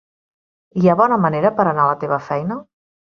Hi ha bona manera per anar a la teva feina?